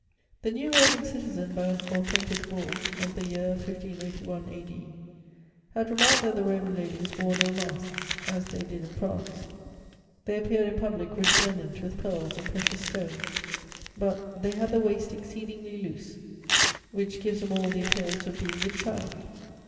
The new Roman citizen by an "authenticke bull" of the year 1581 A.D. had remarked that the Roman ladies wore no masks, as they did in France; they appeared in public resplendent with pearls and precious stones, but "they had the waist exceedingly loose, which gives them all the appearance of being with child."